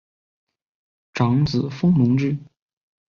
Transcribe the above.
长子封隆之。